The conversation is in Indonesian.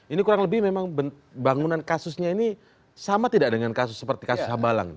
ini kurang lebih memang bangunan kasusnya ini sama tidak dengan kasus seperti kasus hambalang